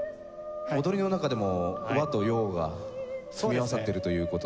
踊りの中でも和と洋が組み合わさっているという事なんですね。